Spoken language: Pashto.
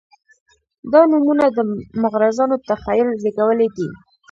دا نومونه د مغرضانو تخیل زېږولي دي.